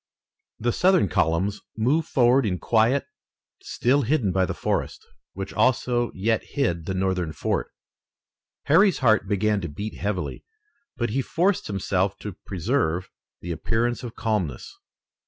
The Southern columns moved forward in quiet, still hidden by the forest, which also yet hid the Northern fort. Harry's heart began to beat heavily, but he forced himself to preserve the appearance of calmness.